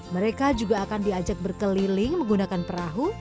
mereka juga akan diajak berkeliling menggunakan perahu